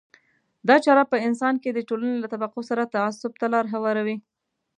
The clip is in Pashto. دا چاره په انسان کې د ټولنې له طبقو سره تعصب ته لار هواروي.